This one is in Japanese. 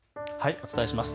お伝えします。